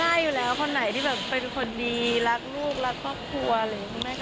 ใช่อยู่แล้วคนไหนที่แบบเป็นคนดีรักลูกรักครอบครัวอะไรอย่างนี้